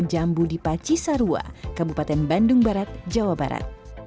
jambu di pacisarua kabupaten bandung barat jawa barat